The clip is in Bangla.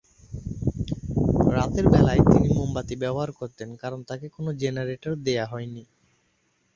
রাতের বেলায় তিনি মোমবাতি ব্যবহার করতেন কারণ তাকে কোনো জেনারেটর দেয়া হয়নি।